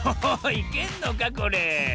いけんのかこれ？